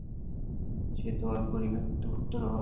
সে তোমার পরিবারভুক্ত নয়।